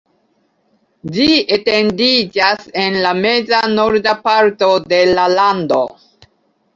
Ĝi etendiĝas en la meza-norda parto de la lando.